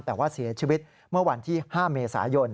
แต่ว่าเสียชีวิตเมื่อวันที่๕เมษายน